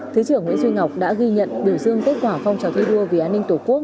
thứ trưởng nguyễn duy ngọc đã ghi nhận biểu dương kết quả phong trào thi đua vì an ninh tổ quốc